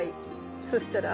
そしたら？